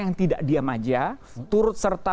yang tidak diam aja turut serta